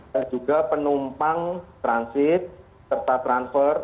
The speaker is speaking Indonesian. dan juga penumpang transit serta transfer